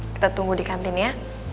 kita tunggu di kantin ya